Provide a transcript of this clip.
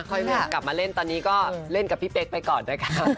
กลับมาเล่นตอนนี้ก็เล่นกับพี่เป๊กไปก่อนด้วยค่ะ